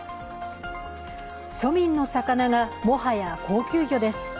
庶民の魚が、もはや高級魚です。